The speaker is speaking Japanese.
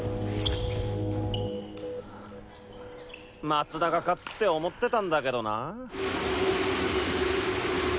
松田が勝つって思ってたんだけどな。